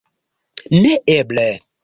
Neeble.